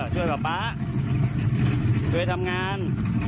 ช่วยป่าช่วยทำงาน